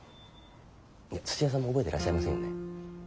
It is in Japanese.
土屋さんも覚えてらっしゃいませんよね？